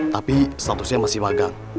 tapi statusnya masih magang